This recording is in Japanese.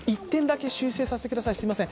１点だけ修正させてください。